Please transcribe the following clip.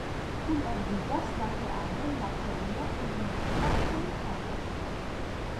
Kunordigas la teamon la Kenja Olimpika Komitato.